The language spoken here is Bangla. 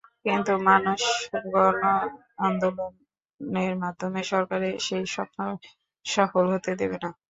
কিন্তু মানুষ গণ-আন্দোলনের মাধ্যমে সরকারের সেই স্বপ্ন সফল হতে দেবে না।